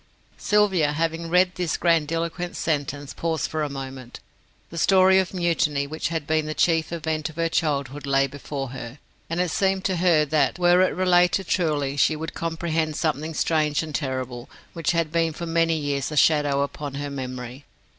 Sylvia, having read this grandiloquent sentence, paused for a moment. The story of the mutiny, which had been the chief event of her childhood, lay before her, and it seemed to her that, were it related truly, she would comprehend something strange and terrible, which had been for many years a shadow upon her memory.